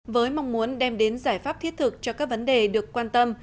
với mong muốn đem đến giải pháp thiết thực cho các vấn đề được quan tâm